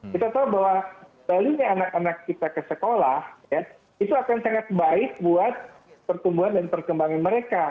kita tahu bahwa sebaliknya anak anak kita ke sekolah itu akan sangat baik buat pertumbuhan dan perkembangan mereka